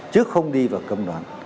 chứ không đi vào cầm đoàn